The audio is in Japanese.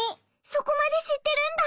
そこまでしってるんだ！